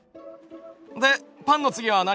でパンの次は何？